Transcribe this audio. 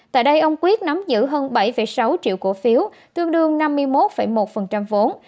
tại đây ông quyết nắm giữ hơn bảy sáu triệu cổ phiếu tương đương năm mươi một một vốn